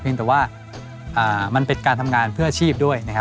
แต่ว่ามันเป็นการทำงานเพื่ออาชีพด้วยนะครับ